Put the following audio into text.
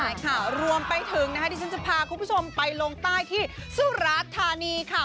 ใช่ค่ะรวมไปถึงนะคะที่ฉันจะพาคุณผู้ชมไปลงใต้ที่สุราธานีค่ะ